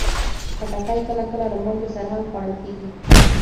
خټکی کله کله له مالګې سره هم خوړل کېږي.